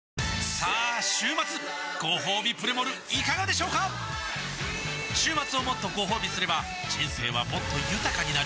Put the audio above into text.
さあ週末ごほうびプレモルいかがでしょうか週末をもっとごほうびすれば人生はもっと豊かになる！